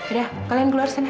udah kalian keluar sana